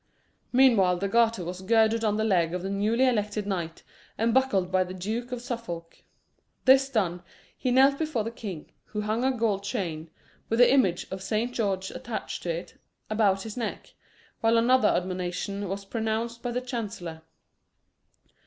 Meanwhile the garter was girded on the leg of the newly elected knight, and buckled by the Duke of Suffolk. This done, he knelt before the king, who hung a gold chain, with the image of Saint George attached to it, about his neck, while another admonition was pronounced by the chancellor.